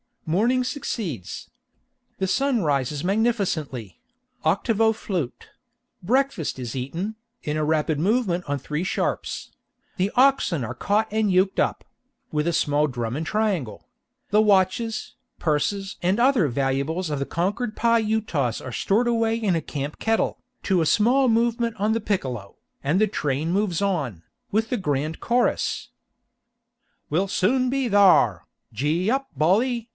Morning succeeds. The sun rises magnificently (octavo flute) breakfast is eaten, in a rapid movement on three sharps; the oxen are caught and yoked up with a small drum and triangle; the watches, purses and other valuables of the conquered Pi Utahs are stored away in a camp kettle, to a small movement on the piccolo, and the train moves on, with the grand chorus: "We'll soon be thar, Gee up Bolly!